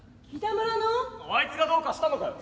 「あいつがどうかしたのかよ？」。